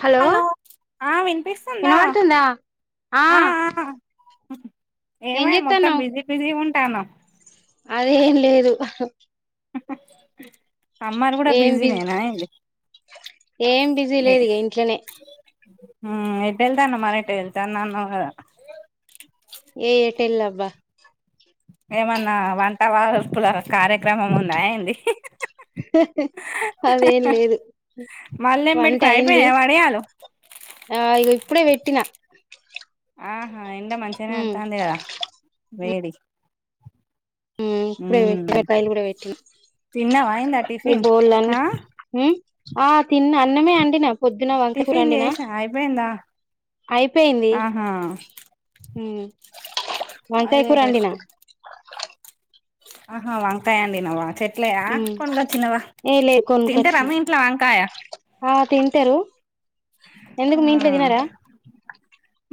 Hello ఆ వినిపిస్తుందా ఇనబడుతుందా ఆ ఏం ఏమై మొత్తం చేత్తన్నావ్ బిజీ బిజీ గుంటానవ్ అదేం లేదు అమ్మారు కూడా బిజీ నేనాయంది ఏం బిజీ లేదు ఇక ఇంట్లోనే ఉ ఇటు వెళ్తాను మర ఇట్ వెళ్తాను నన్న గా ఏ ఏటలా అబ్బా ఏమన్నా వంట వార్పుల కార్యక్రమం ఉందా ఎంది అదేం లేదు మళ్ళేం వంట పెట్టుకుని అయింది అయిపోయినాయా వడియాలు ఆ ఇగా ఇప్పుడే పెట్టినా ఆహా ఎండ మంచిగానే ఉమ్ వెళ్తాందిగా వేడి ఉ ఉమ్ ఇప్పుడేట్టి కాయలు కూడా పెట్టి తిన్నావా అయిందా ఈ టిఫిన్ బోలు అన్ని ఆ ఉ ఆ తిన్న అన్నమే అండినా పొద్దున వంకకూర టిఫిన్ వండిన చేసా అయిపోయిందా అయిపోయింది ఆహా వంకాయ అదే కూర వండిన బెస్ట్ ఆహా వంకాయ ఆంటీనావా చె చెట్లయా ఉమ్ కొనుగాచ్చినవా ఏ లే తింటే కొనుకొచ్చిన రమ ఇంట్లా వంకాయా ఆ తింటారు ఆ ఎందుకు మీ ఇంట్లో తినరా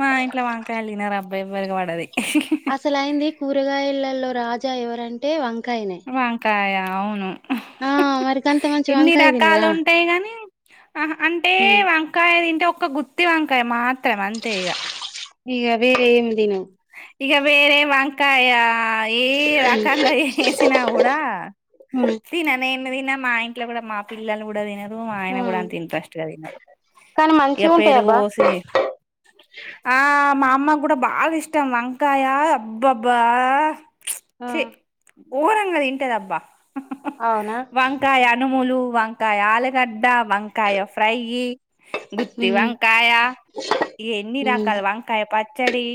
మా ఇంట్లో వంకాయలు తగినారు అబ్బాయివరికి పడది అసలైంది కూరగాయలలో రాజా ఎవరంటే వంకాయనే కాయా అవును ఆ మరి గంత మంచి ఎన్ని వంకాయ రకాలు తినరా ఉంటాయి కాగాని ఆ అంటే ఉమ్ వంకాయ తింటే ఒ గుత్తి వంకాయ మాత్రం అంతే ఇగా ఈగ వేర ఏం దినవు ఇక వేరే వంకాయ ఏ రకాంగా ఏ వేసిన కూడా ఉమ్ ఉమ్ తిననే నీన్నా తిన మా ఇంట్లో కూడా మా పిల్లలు కూడా తినరు ఆయన ఆ కూడా అంత ఇంట్రెస్ట్ తినరు కానీ ఇక మంచిగా ఉంటాయి పేరుగు అబ్బా పోసి ఆ మా అమ్మ కూడా బాళ ఇష్టం వంకాయ అబ్బబ్బా ఆ ఛీ ఘోరంగా తింటదిబ్బా అవునా వంకాయ అనుమూలు వంకాయ ఆలుగడ్డ వంకాయ ఫ్రై గుత్తి ఉమ్ వంకాయ ఏ ఎన్ని ఉమ్ రాకాల వంకాయ పచ్చడి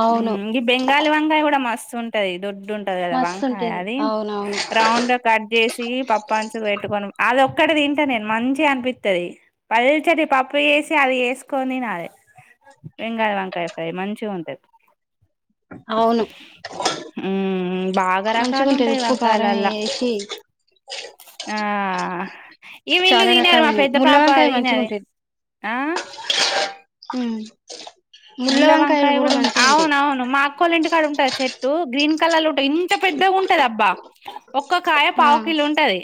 అవును ఇ బెంగాలీ వకాయ కూడా మస్తు ఉంటది దొడ్ ఉంది కదా మస్తు వంకాయ ఉంటది అ అవునవును రౌండ్ గా కట్ చేసి పప్ పంచగా పెట్టుకని అది ఒక్కటి తింటా నేను మంచిగా అనిపిస్తుంది పల్లిచడి పప్పు వేసి అది వేసుకొని తినాలి బంగాయ వంకాయ ఫ్రై మంచిగా ఉంటుది అవును ఉమ్ బాగా రకాలు మంచిగుంటది ఉంటాయి ఉప్పు కారం వంకాయలలా వేసి ఆ ఈ వీళ్ళు చాలా తినారు రకాలు మా ఉన్నాయి పెద్ద ముళ్ళ పాప వంకాయ తినాది మంచిగుంటది ఆ హు ముల్ల వంకాయ కూడా అవును అవును మా అక్కోలు ఇంటికాడ ఉంటుది చెట్టు గ్రీన్ కలర్లు ఇంత పెద్దగా ఉంటది అబ్బా ఒక్క కాయ ఆ పావుకిల్ ఉంటుది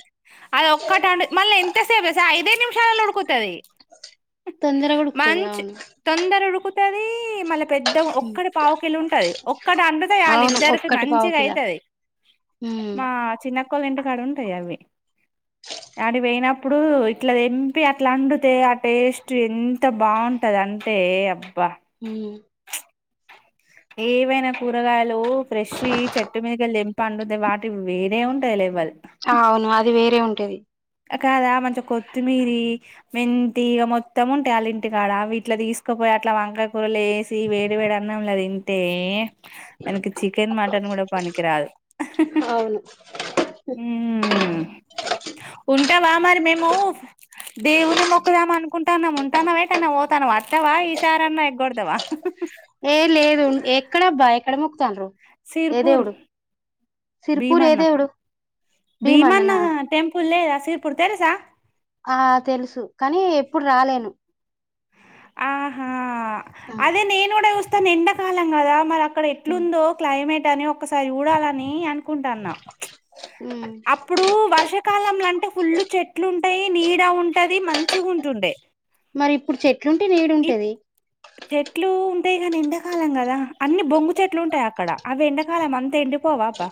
అది ఒక్కటాం మళ్ళీ ఎంతసేపు ఐదే నిమిషాలలో ఉడుకు ఉంటది తొందరగా ఉడుకుతది మంచి అవును తొందరగా ఉడుకుతది మళ్ళీ పెద్ద ఒక్కటి పావుకెళ్ళ ఉంటది ఒక్కటి అందుతాది వాళ్ళ అవును ఇద్దరికి ఒక్కటి పావు మంచిగా కిలా అయితది ఉమ్ మా చిన్నక్కోళ్ళ ఇంటికాడ ఉంటాయి అవి అడి పోయినప్పుడు ఇట్లా తెంపి అట్లా అండుతే ఆ టేస్ట్ ఎంత బాగుంటది అంటే ఏ అబ్ ఉహ్ ఏవైనా కూరగాయలు ఫ్రెష్ వి చెట్టు మీది కెళ్ళి దెంప పండు వాటి వేరే ఉంటాయి లేవల్ అవును అది వేరే ఉంటది కాదా మంచి కొత్తిమీర మెంత ఇక మొత్తం ఉంటేాల ఇంటికాడ వీట్లో తీసుకుపోయి అట్లా వంకాకూరలు వేసి వేడి వేడ అన్నాం లేదు ఇం అంటే చికెన్ మటన్ గూడా పనికిరాదు ఉ ఉంటావా మరి మేము దేవుని మొక్కుదామ అనుకుంటు ఉంటన్నం ఉంటాన్నవా యేటన్న పోతన్నవా అస్తవా ఇ ఈసారన్నా ఎగ్ గోడతవా ఎడ ముగక్తాు సిర్ పూర్ సిరిపూర్ ఏ భీమాన్నా దేవుడు భీమాన్నా భీమన్ననా టెంపుల్ లేద సీపుడు తెలుసా ఆ తెలుసు కానీ ఎప్పుడు రాలేను ఆహా అదే నేను కూడా చూస్తా ఎండాకాలం కదా మరి అక్కడ ఎట్లుందో క్లైమేట్ అని ఒక్కసారి జూడాలని అనుకుంటున్న ఉ అప్పుడు వర్షాకాలంల అంటే ఫుల్లు చెట్లుంటాయి నీడ ఉంటది మంచిగా ఉంటుండే మరి ఇప్పుడు చెట్లుంటే నేడు ఉంటది అంతేగాని ఎండాకాలం గదా అన్ని బొంగు చెట్లు ఉంటాయి అక్కడ అవి ఎండాకాలం అంత ఎండిపోవా అబ్బా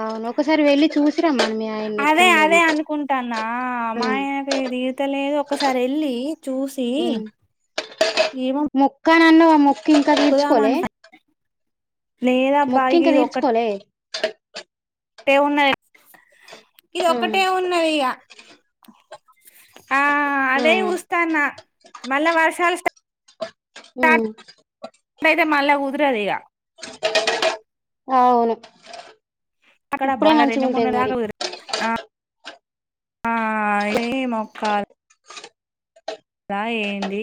అవును ఒకసారి వెళ్ళి చూసి యి అదే అదే అనుకుంటన్నా ఉమ్ మాయనకది దిరతలేదు ఒకసారి వెళ్ళి చూసి అ ఏమో నన్ను మొక్కు ఇంకా మొక్కుదాం తీర్చుకోలే అనుకు లేదబ్బా ఇగ మొక్కింక తీర్చుకోలే ఒకటే ఉన్నది ఇది ఉమ్ ఒక్కటే ఉన్నది ఇగ ఆ అదే ఉమ్ ఉఊస్తస్తాన్న మళ్ళ వర్షాలు స్ ఉమ్ అతే మళ కుదుర తీగా [inaudible] ఆ అవును అక్కడ ఇప్పుడే మళ్ళ రెండు మూడు మంచిగుంటది నెలల మరి దాకా గుదరదు ఆ ఏ మొక్కాల ఆ ఏంది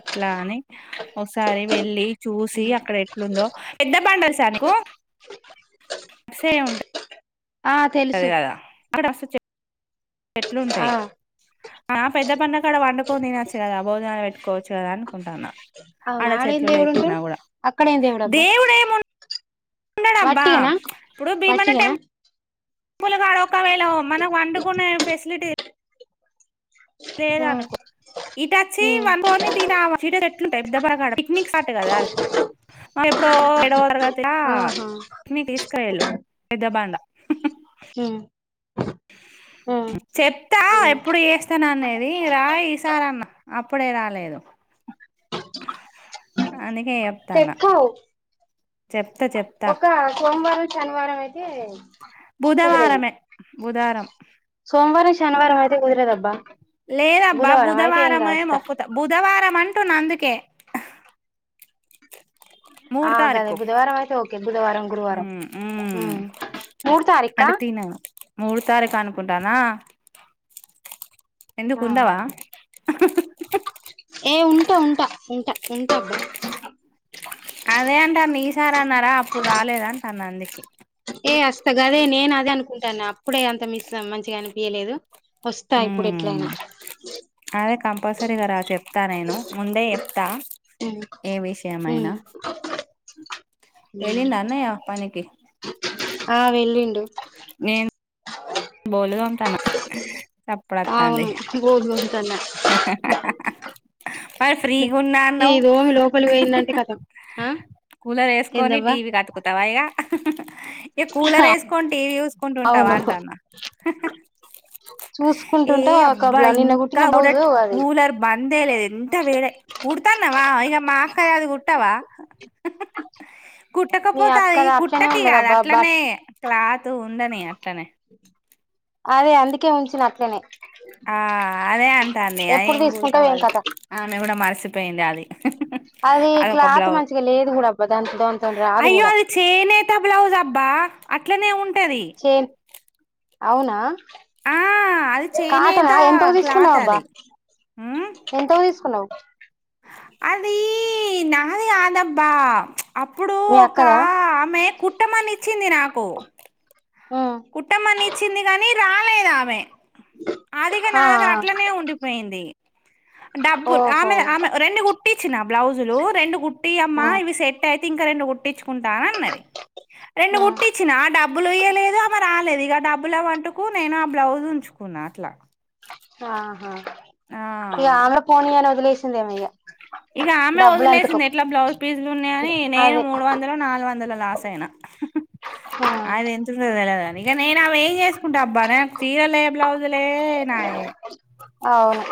ఎట్లా అని ఒకసారి వెళ్ళి చూసి ఉమ్. అక్కడ ఎట్లుందో పెద్ద బడుారుసా నకుస ఉంట ఆ సరే తెలుసు గదా ఆడ అసలు టెట్లుంటాయి ఆ ఆ పెద్ద పండక్కాడ వండుకోని తినొచ్చు గదా అభోజనాలు పెట్టుకోవచ్చు గదా అనుకుంటన్నా అవునా ఆడ ఆడేం చెట్లు దేవుడు ఉంటాడు లేకున్నా కూడా అక్కడేం దేవుడబ్బా దేవుడేము ఉన్నడబ్బా వట్టిగనా ఇప్పుడు భీమన వట్టిగనా టెంపుల్ స్లు కాడ ఒకవేళ మనకు వండుకునే ఫెసిలిటీ ఆ లేదనుకో ఇటు ఉమ్ వచ్చివ చ ఎట్లుంటాయి పెద్ద పిక్నిక్ స్పాట్ కదాది మా ఎప్పుడో ఎడవ తరగతి ఆహా న తీసుకయళు పెద్ద బాండ ఉమ్ ఉమ్ చెప్తా ఉమ్ ఎప్పుడు చేస్తానునేది రా ఈసార అన్న అప్పుడే రాలేదు అందుకే చెప్తాన్న చెకువ చెప్తా చెప్తా ఒక సోమవారం శనివారం అయితే కుది బుధవారమే బుధవారం సోమవారం శనివారం అయతే కుదరదబ్బా లేదబ్బా బుధవారమే మొక్కత బుధవారం మంటున్న అందుకే మూడ్ ఆ గదే తారీకు బుధవారం అయితే ఓకే బుధవారం గురువారం ఉమ్ మూడు తారీఖా అంటే తిన మూడు తారీకు అనుకుంటానా ఎందుకు ఆ. ఉండవా ఏ ఉంటా ఉంటా ఉంటా ఉంటా అబ్బా అదే అంటన్నా ఈసారన్నారా అప్పుడు రాలేదంటన్న అందుకే ఏ వస్తా గాదే నేను అదే అనుకుంటానా అప్పుడే అంత మిస్ మంచిగా అనిపియ్యలేదు వస్తా ఇప్పుడు మ్మ్ ఎట్లయినా అదే కంపల్సరీగా రా చెప్తా నేను ముందే చెప్తా ఏ విషయమైనా ఉమ్ వెళ్లిండా అన్నయ్య పనికి ఆ వెళ్ళిండు అ [inaudible] బొల్లు తోముతాన సప్పుడు వత్తాంది అవును గోధు గోకుతున్న మరి ఫ్రీగున్నా ఈ అన్నావ్ దోమి లోపలి పోయిందంటే కతం ఆ కూలర్ వేసుకొని ఏందవ్వా టీవీ అతుకుతావా ఇగా ఇగా కూలర్ వేసుకొని టీవీ చూసుకుంటా ఉంటావా అవును అంటానా [inaudible] చూసుకు ఏ అబ్బా ఇంకా గూడా అది కూలర్ బందేలేదు ఎంత వేడే ఊడు తానవా మా అక్కది అది కుట్టావా మీ కుట్టకపోతే అది అక్కది అట్లనే కుట్టకు ఇగ ఉన్నదబ్బా బట్ అట్లనే క్లాత్ ఉండని అట్లనే అదే అందుకే ఉంచిన అట్లనే ఆ అదే అంటంది ఎప్పుడు ఏం తీసుకుంటావు కుడతావ్ ఏం అది కథ ఆమె గూడా మరిసిపోయింది అది అది [inaudible] అదొక క్లాత్ బ్లౌజ్ మంచిగా లేదు కూడా అబ్బా దాంతో దానితోని రాదు అయ్యో కూడా అది చేనేత బ్లౌజ్ అబ్బా అట్లనే ఉం చేన్ అవునా ఆ అది చేనేత కాటనా ఎంతకు క్లాత్ తీసుకున్నావబ్బా అది ఉమ్ ఎంతకు తీసు కున్నావ్ అది నాది కాదబ్బా అప్పుడు మీ ఒక అక్కదా ఆమె కుట్టమని ఇచ్చింది నాకు ఉమ్ కుట్టమని ఇచ్చింది గానీ రాలేదు ఆమె అదిగ నా ఆ దగ్గర ఆ అట్లనే ఉండిపోయింది డబ్బులు ఓహో ఆమె ఆమె రెండు కుట్టిచ్చిన బ్లౌజులు రెండు కుట్టియమ్మ ఆ ఇవి సెట్ అయి ఇంకా రెండు కుట్టిచ్చుకుంటా అని అన్నది రెండు ఆ గుట్టిచ్చిన డబ్బులు ఇయ్యలేదు ఆమె రాలేదు ఇగ ఆ డబ్బుల మట్టుకు నేను ఆ బ్లౌజ్ ఉంచుకున్నా అట్లా ఆహా ఇగ ఆ ఆమె కూడా పోనీయి అని వదిలేసిందేమో ఇగ ఇగా ఆమె డబ్బులు అంతకు వదిలేసింది ఎట్లా బ్లౌజ్ పీజలు ఉన్నాయని నేను అదే మూడు వందలో నాలుగు వందలో లాస్ అయినా ఆ అది ఎంత ఉందో తెలవదని ఇగ నేను అవి ఏం చేసు కుంటా అబ్బా నాకు చీరలే బ్లౌజులే నాయే అవును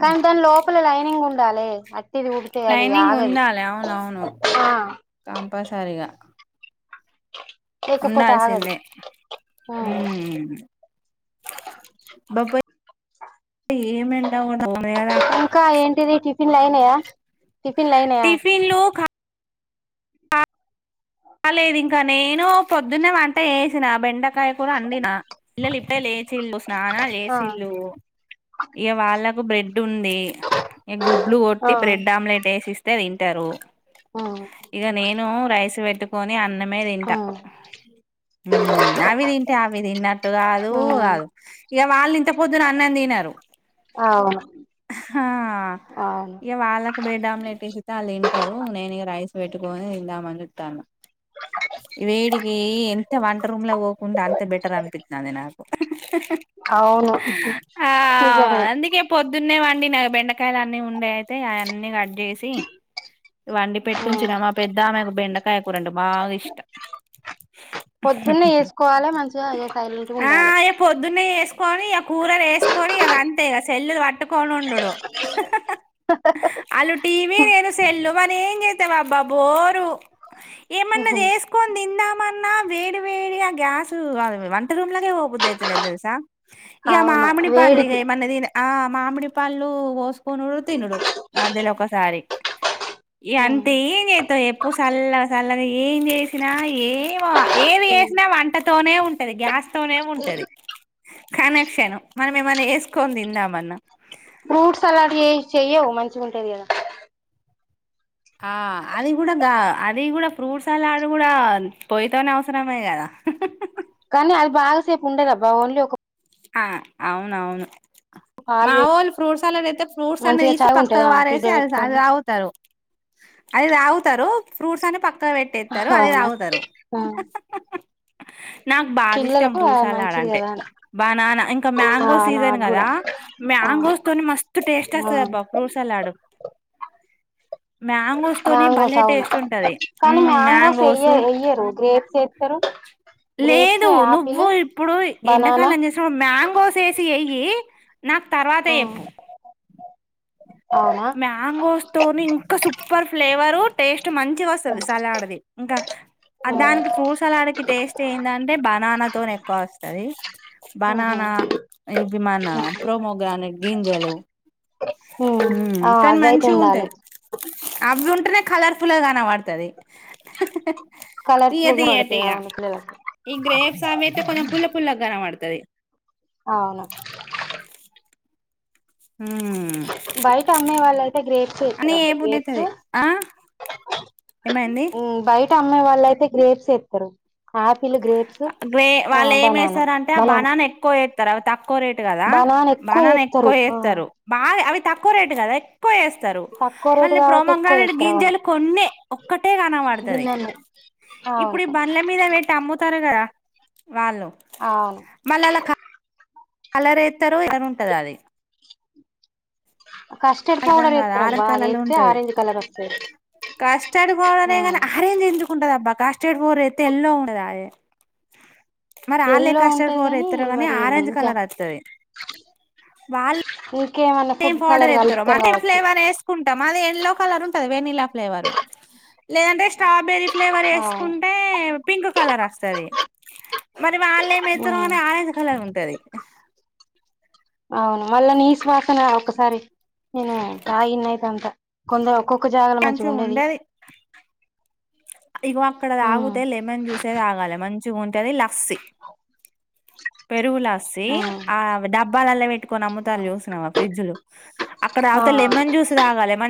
కానీ దాని లోపల లైనింగ్ ఉండాలే లైనింగ్ ఉండాలే అవునవును ఆ కంపల్సరీగా [inaudible] ఆగదు ఉండాల్సిందే ఉమ్ బబ ఏం ఎండ కొడత ఇంకా ఏంటిది టిఫిన్లు అయినయా టిఫిన్లు అయినయా టిఫిన్లు కా బాలేదు ఇంకా నేను పొద్దున్న వంట చేసిన బెండ బకాయ కూడా అండి నా పిల్లలు ఇప్పుడే లేచిల్లు స్నానా ఆ లేసిిల్లు [unintelligible] ఇగ వాల్లకు బ్రెడ్ ఉంది గుడ్లు కొట్టి ఆ బ్రెడ్ ఆమ్లెట్ వేసిస్తే తింటారు ఉమ్ ఇగ నేను రైస్ పెట్టుకని అన్న ఆ అవి తింటే అవి తిన్నట్టు కాదు ఉమ్ కాదు ఇక వాళ్ళు ఇంత పొద్దున అన్నం తినరు అవును హా అవును ఇగ వాళ్ళకి బ్రెడ్ ఆమ్లెట్ వేసిత్తే అల్లు తింటారు నేను ఇగ రైస్ పెట్టుకొని తిందా మని చుత్తున్న వేడికి ఎంత వంట రూమ్ లోకి పోకుండ అంత బెటర్ అనిపిత్తంది నాకు అవును ఆ నిజమే అందుకే పొద్దున్నే వన్ వండిన బెండకాయలు అన్నీ ఉండే అయితే అన్నీ క చేసి వండి పెట్టుంచిన ఉమ్. మా పెద్ద ఆమె ఒక బెండ కూరంటే బాగా ఇష్టం పొద్దున్నే వేసుకోవాలి మంచిగా ఇగ సైలెంట్గా ఆ ఉండాలి అయ పొద్దున్న కొని ఇక కూలర్ వేసుకొని ఇక అంతే ఇక సేల్లు పట్టుకొని ఉండుడు అళ్లు టీవీ నేను సెల్లు మరి ఏం చే బ్బా బోరు ఏమన్నా చేసుకొని తిందాం మన్నా వేడి వేడి ఆ గ్యాస్ వంట రూమ్ లోకే పోబుద్ది అయితలేదు తెలుసా ఇగ అవును మామిడి పల్లు ఇగ వేడికి ఏమన్న తిన ఆ మామిడి పళ్ళు కోసుకొని తినుడు మధ్యలో ఒకసారి ఇగ ఉమ్. అంత ఏం చేస్తావూ చెప్పు చల్ల చల్లగ ఏం చేసినా ఏవ ఏది వేసినా వంటతోనే ఉంటది గ్యాస్ తోనే ఉంటది కనెక్షన్ మనం ఏమన్నా చేసుకొని తిందామన్నా ఫ్రూట్స్ సలాడ్ చెయ్ చెయ్యవు మంచిగా ఉంటాది కదా ఆ అది కూడా గా అది కూడా ఫ్రూట్ సలాడ్ కూడా పొయ్యితోనే అవసరమే కదా [inaudible] కానీ అది బాగాసేపు ఉండదబ్బా ఓన్లీ ఒక ఆ అవునవును పాలు మా వే వోళ్ళు ఫ్రూట్స్ సలాడు అయితే ఫ్రూట్స్ అన్నీ మంచిగా తీసి చాయ్ ఉంటదా పక్కకు ఫ్రిడ్జ్ పారేసి లో అది అది పెట్టుకొని తా గుతారు అది తాగుతారు ఫ్రూట్స్ అన్నీ పక్కకి పెట్టేస్తారు అది అవునా తాగుతారు ఆ. నాకు బాగా ఇష్టం పిల్లలకు ఫ్రూట్ అది సలాడ్ మంచిది అంటే కదా అని. మా నాన్న ఇంకా ఆ మ్యాంగో సీజన్ నాకు కూడా కదా ఆ. మ్యాంగోస్ తోని మస్తు టేస్ట్ వస్తది ఆ. అబ్బా ఫ్రూట్స్ సల్లాడు మ్యాంగోస్ తోని మ్యాంగోస్ భలేె అవును టేస్ట్ ఉంటది ఉం కానీ ఎయ్య మ్యాంగోస్ ఎయ్యరు గ్రేప్స్ ఏత్తరు గ్రేప్స్ లేదు యాపిల్ నువ్వు ఇప్పుడు ఎండ బనానా ని చేస మ్యాంగోస్ వేసి వెయ్యి నాకు తర్వాత చెప్పు అవునా మ్యాంగోస్ తోని ఇంకా సూపర్ ఫ్లేవరు టేస్ట్ మంచిగా వస్తది సలాడ్ది ఇంకా దానికి ఫ్రూట్స్ సలాడ్ కి టేస్ట్ ఏందంటే బనానాతో ఎక్కువ వస్తది బనానా ఇవి మన ప్రోమోగ్రానిక్ గింజలు ఉం ఉం కానీ మంచిగ ఉంటాయి అవి ఉంటేనే కలర్ ఫుల్ గా కనపడతది తీయ కలర్ఫుల్ గా తీయటి పడుతది ఇగ అవును పిల్లలకు ఈ గ్రేప్స్ అవి ఆయితే కొంచెం పుల్ల పుల్ల కనపడుతది అవును ఉమ్ బయట అమ్మే వాళ్ళు అయితే గ్రేప్స్ అని ఏ ఇస్తారబ్బా బుద్ధి గ్రేప్స్ అయితది ఆ ఏమైంది ఉం బయట అమ్మే వాళ్ళ అయితే గ్రేప్స్ ఏ ఇ స్తారు గ్రే వాళ్ళు ఏమి వేస్తారంటే ఆ బనానా ఎక్కువ అవి తక్కువ రేట్ కదా బనానా ఎక్కువ బనాన ఎక్కువ ఏత్తరు ఆ వేస్తరు బాగా అవి తక్కువ రేట్ గద ఎక్కుఎస్ స్తారు తక్కువ రేటు మళ్ళీ కాబట్టి ఎక్కువ ప్రోమోగ్రానేైడ్ ఏత్తరు అవును గింజలు కొన్ని ఒక్కటే కనబడతది గిన్నెల్నే ఇప్పుడు ఈ అవును బండ్ల మీద పెట్టి అమ్ముతారు కదా వాళ్ళు అవును మళ్ళీ అలా కలరేత్తరో ఎర్రగ ఉంటది అది కస్టర్డ్ అర్థం పౌడర్ కాదు ఏతరబ్బా ఆరెంజ్ కలర్ లో అదేత్తే ఉంటది ఆరెంజ్ కలర్ వస్తది కస్టర్డ్ ఆ పౌడరే కాని ఆరేంజ్ ఎందుకుటందబ్బ ర్డ్ పౌడర్ ఎత్తే ఎల్లో ఉండదయె మరి ఆళ్ళే ఎల్లో కస్టర్డ్ ఉంటది పౌడర్ గాని ఎత్తరో కానీ మరి ఏమి ఆరెంజ్ ఇంకా కలర్ వత్తది వాళ్ ఇంకేమన్నా సేమ్ ఫుడ్ పౌడర్ కలర్ ఎత్తరు కలుపుతారు అదే కావచ్చు ఫ్లేవర్ వేసుకుంటాం అది ఎల్లో కలర్ ఉంటంది వెనిలా ఫ్లేవరు లేదంటే స్ట్రాబెరీ ఫ్లేవర్ అవును ఎసుకుంటే పింక్ కలర్ వస్తది మరి వాళ్ళు ఏమి ఎత్తరో ఉమ్ కానీ ఆరెంజ్ కలర్ ఉంటది అవును మళ్ళా నీసు వాసన ఒకసారి నేను కాగి నైటంత కొంద జాగాల మంచిగా ఉండేది ఇగో అక్కడ తాగుతే లెమన్ జ్యూసే తాగాలి మంచిగా ఉంటది లస్సీ రివ్వు లస్సీ ఉమ్ ఆ డాబ్బలలో పెట్టుకొని అమ్ముతారు అవును చూసినవ ప్రిడ్జ్లు అక్కడ అవతలే ఆ లెమన్ జ్యూస్ తాగ లెమన్